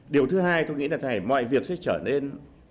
điều thứ hai tôi nghĩ là mọi việc sẽ trở nên